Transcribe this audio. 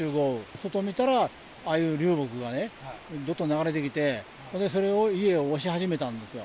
外見たら、ああいう流木がね、どっと流れてきて、それを家を押し始めたんですよ。